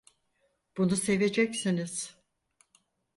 Bunu seveceksiniz.